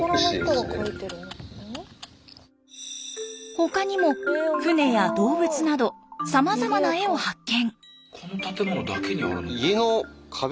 他にも船や動物などさまざまな絵を発見。